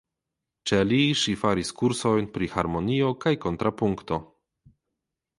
Ĉe li ŝi faris kursojn pri harmonio kaj kontrapunkto.